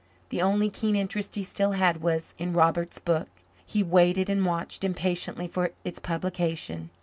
The only keen interest he still had was in Robert's book. He waited and watched impatiently for its publication.